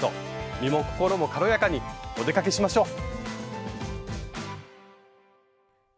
身も心も軽やかにお出かけしましょう！